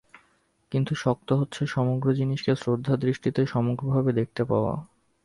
কিন্তু শক্ত হচ্ছে সমগ্র জিনিসকে শ্রদ্ধার দৃষ্টিতে সমগ্র ভাবে দেখতে পাওয়া।